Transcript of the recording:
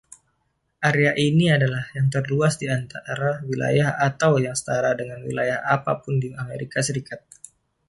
Area ini adalah yang terluas di antara wilayah atau yang setara dengan wilayah apa pun di Amerika Serikat.